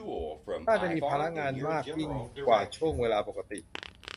น่าจะมีภาระงานมากยิ่งกว่าช่วงเวลาปกติ